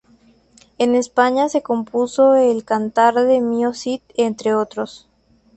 En España se compuso el "Cantar de Mío Cid", entre otros.